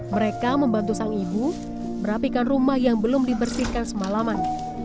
mereka membantu sang ibu merapikan rumah yang belum dibersihkan semalaman